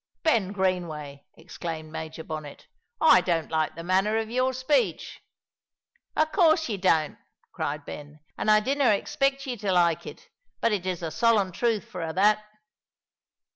"Ben Greenway," exclaimed Major Bonnet, "I don't like your manner of speech." "O' course ye don't," cried Ben; "an' I didna expect ye to like it; but it is the solemn truth for a' that."